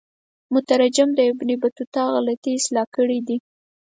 مترجم د ابن بطوطه غلطی اصلاح کړي دي.